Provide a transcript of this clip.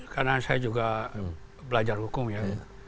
karena saya juga belajar hukum ya